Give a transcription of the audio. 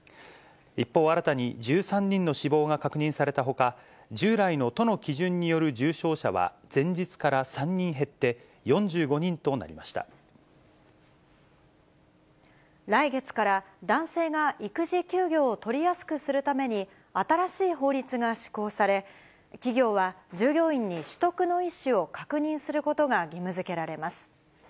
一方、新たに１３人の死亡が確認されたほか、従来の都の基準による重症者は前日から３人減って、４５人となり来月から、男性が育児休業を取りやすくするために、新しい法律が施行され、企業は従業員に取得の意思を確認することが義務づけられます。